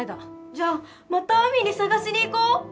じゃあまた海に探しに行こう！